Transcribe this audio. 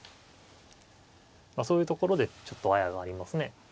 まあそういうところでちょっとあやがありますね。